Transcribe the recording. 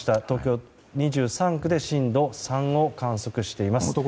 東京２３区で震度３を観測しています。